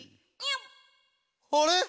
「あれ！